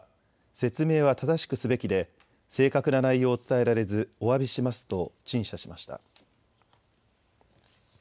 説明は正しくすべきで正確な内容を伝えられずおわびしますと陳謝しました。